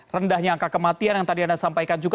rendahnya angka kematian yang tadi anda sampaikan juga